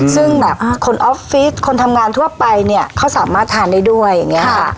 ซึ่งแบบคนออฟฟิศคนทำงานทั่วไปเนี่ยเขาสามารถทานได้ด้วยอย่างนี้ค่ะ